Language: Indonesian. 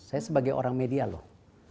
saya sebagai orang media loh